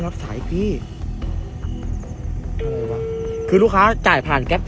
ลูกค้าจ่ายผ่าน